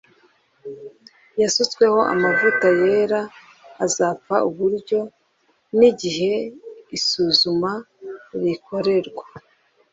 wasutsweho amavuta yera azapfa uburyo n igihe isuzuma rikorerwa